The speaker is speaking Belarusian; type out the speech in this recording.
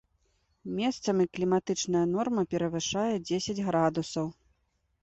Месцамі кліматычная норма перавышае дзесяць градусаў.